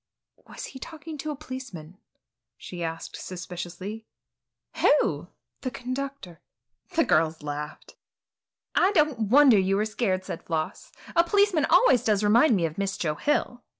"Was he talking to a policeman?" she asked suspiciously. "Who?" "The conductor." The girls laughed. "I don't wonder you were scared," said Floss; "a policeman always does remind me of Miss Joe Hill."